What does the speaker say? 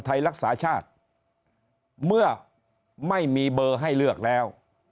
ไทยรักษาชาติเมื่อไม่มีเบอร์ให้เลือกแล้ว